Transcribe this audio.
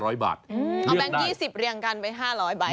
เอาแบงค์๒๐เรียงกันไป๕๐๐ใบ